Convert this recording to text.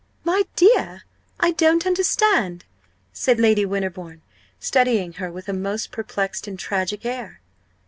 "My dear! I don't understand," said Lady Winterbourne, studying her with her most perplexed and tragic air.